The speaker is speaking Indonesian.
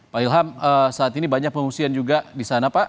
pak ilham saat ini banyak pengungsian juga di sana pak